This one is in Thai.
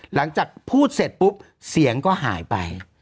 หลังจากพูดเสร็จปุ๊บเสียงก็หายไป